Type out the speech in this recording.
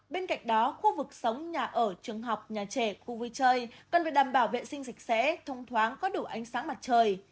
bên cạnh đó khu vực sống nhà ở trường học nhà trẻ khu vui chơi cần phải đảm bảo vệ sinh sạch sẽ thông thoáng có đủ ánh sáng mặt trời